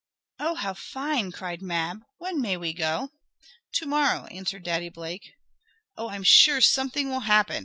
"Oh, how fine!" cried Mab. "When may we go?" "To morrow," answered Daddy Blake. "Oh, I'm sure something will happen!"